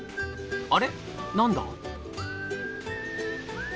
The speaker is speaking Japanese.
あれ何だ？